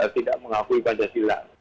tidak mengakui pancasila